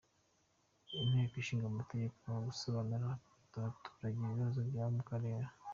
Inteko Ishinga Amategeko mu gusobanurira abaturage ibibazo byo mu karere